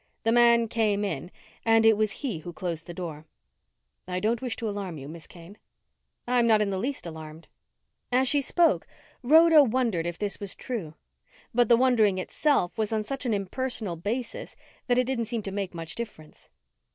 The man came in and it was he who closed the door. "I don't wish to alarm you, Miss Kane." "I'm not in the least alarmed." As she spoke, Rhoda wondered if this was true. But the wondering itself was on such an impersonal basis that it didn't seem to make much difference.